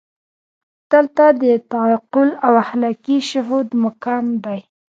دلته د تعقل او اخلاقي شهود مقام دی.